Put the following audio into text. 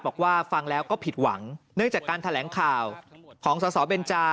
บอกว่าฟังแล้วก็ผิดหวังเนื่องจากการแถลงข่าวของสสเบนจา